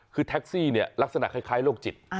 คือแท็กซี่เนี่ยลักษณะคล้ายโรคจิต